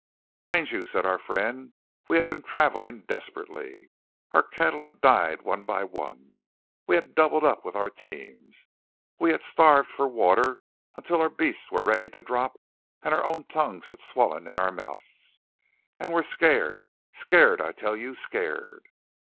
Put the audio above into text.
"Mind you," said our friend, "we had been travelling desperately. Our cattle had died one by one; and we had doubled up with our teams. We had starved for water until our beasts were ready to drop and our own tongues had swollen in our mouths, and were scared scared, I tell you scared!"